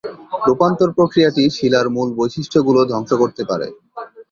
রূপান্তর প্রক্রিয়াটি শিলার মূল বৈশিষ্ট্যগুলো ধ্বংস করতে পারে।